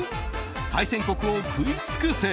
対戦国を食い尽くせ！